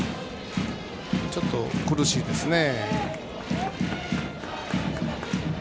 ちょっと苦しいですね。